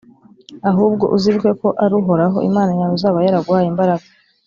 ahubwo uzibuke ko ari uhoraho imana yawe uzaba yaraguhaye imbaraga